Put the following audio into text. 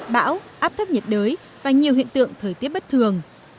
bão áp thấp nhiệt đới và nhiều hiện tượng thời tiết bất thường